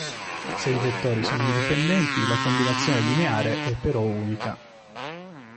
Se i vettori sono indipendenti, la combinazione lineare è però unica.